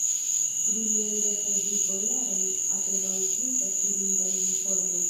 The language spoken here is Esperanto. Pri liaj restaj vivojaroj apenaŭ ekzistas fidindaj informoj.